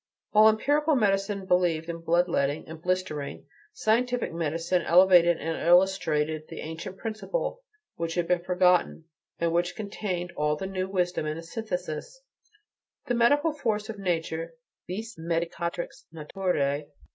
While empirical medicine believed in blood letting and blistering, scientific medicine elevated and illustrated the ancient principle which had been forgotten, and which contained all the new wisdom in a synthesis: the medicinal force of nature, vis medicatrix naturae.